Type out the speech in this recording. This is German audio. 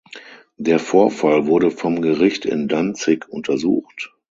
Der Vorfall wurde vom Gericht in Danzig untersucht.